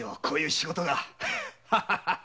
こういう仕事が。